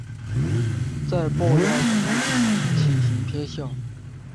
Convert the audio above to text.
在豹亚种里体型偏小。